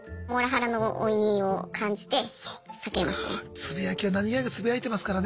つぶやきは何気なくつぶやいてますからね